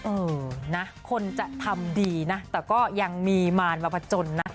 เออนะคนจะทำดีนะแต่ก็ยังมีมารมาผจญนะ